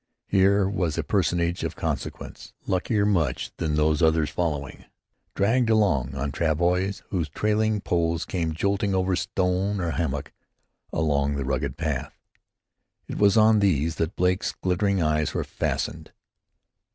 Here was a personage of consequence luckier much than these others following, dragged along on travois whose trailing poles came jolting over stone or hummock along the rugged path. It was on these that Blake's glittering eyes were fastened.